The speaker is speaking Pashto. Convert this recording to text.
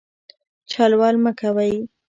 چل ول مه کوئ.